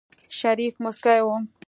شريف موسکی و.